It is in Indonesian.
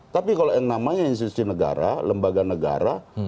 tapi kalau yang namanya institusi negara lembaga negara